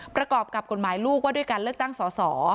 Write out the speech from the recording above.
ประกอบกับกฎหมายลูกว่าด้วยการเลือกตั้งสอสอ